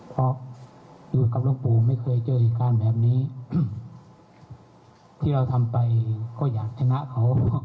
เพราะอยู่กับหลวงปู่ไม่เคยเจอเหตุการณ์แบบนี้ที่เราทำไปก็อยากชนะเขา